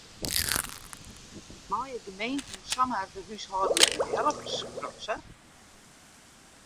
Meie gemeenten samar de húshâldlike help skrasse?